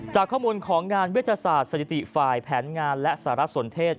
จากข้อมูลของงานวิทยาศาสตร์สถิติฝ่ายแผนงานและสารสนเทศ